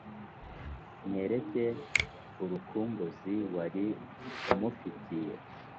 mwereke urukumbuzi wari umufiitiye